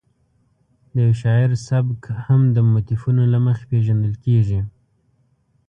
د یو شاعر سبک هم د موتیفونو له مخې پېژندل کېږي.